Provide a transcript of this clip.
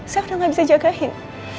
saya sudah tidak bisa jagain